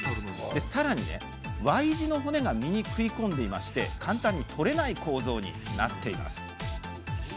さらにＹ字の骨が身に食い込んでいて簡単に取れない構造になっています。